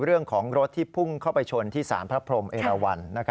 เรื่องของรถที่พุ่งเข้าไปชนที่สารพระพรมเอราวัน